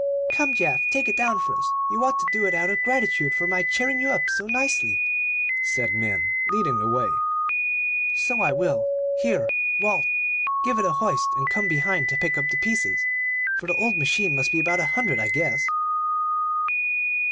"Come, Geoff, take it down for us. You ought to do it out of gratitude for my cheering you up so nicely," said Min, leading the way. "So I will. Here, Walt, give it a hoist, and come behind to pick up the pieces, for the old machine must be about a hundred, I guess."